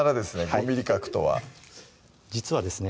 ５ｍｍ角とは実はですね